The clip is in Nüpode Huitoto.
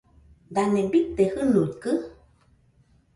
Dane bite jɨnuikɨ?